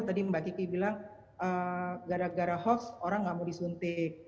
tadi mbak kiki bilang gara gara hoax orang nggak mau disuntik